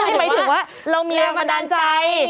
ไม่หมายถึงว่าเราเมียมาดันใจ